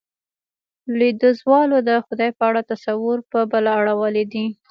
لوېديځوالو د خدای په اړه تصور، په بله اړولی دی.